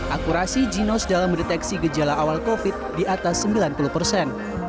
akurasi ginos dalam mendeteksi gejala awal covid di atas sembilan puluh persen